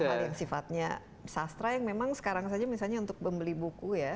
hal yang sifatnya sastra yang memang sekarang saja misalnya untuk membeli buku ya